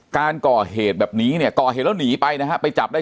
การก่อเหตุแบบนี้เนี่ยก่อเหตุแล้วหนีไปนะฮะไปจับได้